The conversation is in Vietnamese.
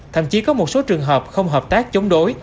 thậm chí có một số trường hợp không hợp tác chống đối